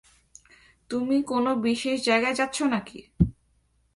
তুমি কোনো বিশেষ জায়গায় যাচ্ছ নাকি?